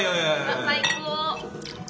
最高！